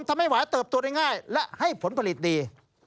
ทำให้หวายเติบโตได้ง่ายและให้ผลผลิตดี